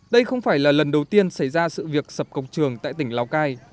đây không phải là lần đầu tiên xảy ra sự việc sập cổng trường tại tỉnh lào cai